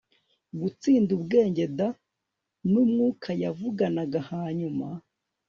gutsinda ubwenge d n umwuka yavuganaga Hanyuma